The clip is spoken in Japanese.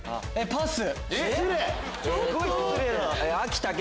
パス！